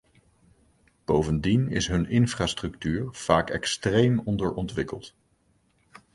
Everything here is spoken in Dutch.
Bovendien is hun infrastructuur vaak extreem onderontwikkeld.